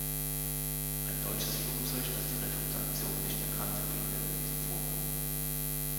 Ein deutsches Flugzeug, das die Rettungsaktion nicht erkannte, behinderte diesen Vorgang.